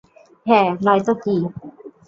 হ্যাঁ, নয়তো কী?